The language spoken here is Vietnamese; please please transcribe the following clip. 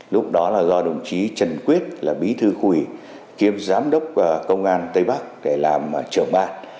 lúc đó là do đồng chí trần quyết là bí thư khu ủy kiêm giám đốc công an tây bắc để làm trưởng ban